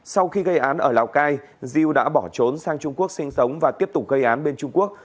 sau khi gây án ở lào cai diêu đã bỏ trốn sang trung quốc sinh sống và tiếp tục gây án bên trung quốc